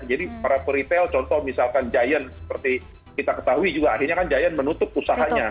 jadi para peritel contoh misalkan giant seperti kita ketahui juga akhirnya kan giant menutup usahanya